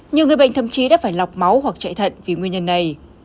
nhiều người bệnh thậm chí đã phải lọc máu hoặc chạy thận vì nguyên nhân này